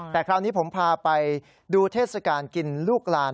แต่คราวนี้ผมพาไปดูเทศกาลกินลูกลาน